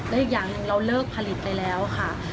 และอีกอย่างหนึ่งเราเลิกผลิตไปแล้วค่ะ